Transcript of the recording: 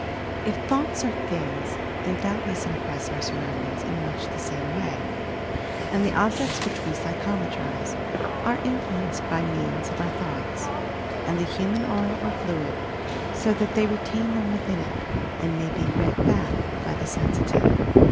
If "thoughts are things," they doubtlefis impress our surroundings in much the same way: and the objects which we psychometrize are influenced by means of our thoughts, and the human aura or fluid, so that they retain them within it, and may be "read back" by the seuffltive.